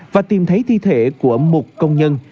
và tìm thấy thi thể của một công nhân